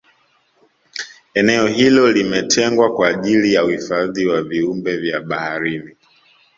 eneo hilo limetengwa kwa ajili ya uhifadhi wa viumbe vya baharini